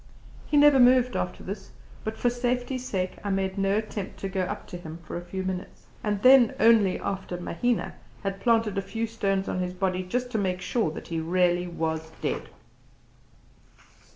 He never moved after this; but for safety's sake, I made no attempt to go up to him for a few minutes, and then only after Mahina had planted a few stones on his body just to make sure that he was really dead.